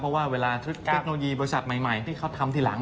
เพราะว่าเวลาเทคโนโลยีบริษัทใหม่ที่เขาทำทีหลัง